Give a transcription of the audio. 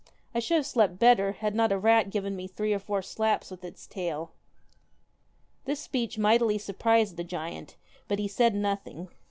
' I should have slept better, had not a rat given me three or four slaps with its tail.' This speech mightily surprised the giant, but he said nothing.